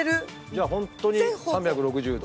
じゃあ本当に３６０度。